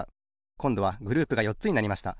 こんどはグループがよっつになりました。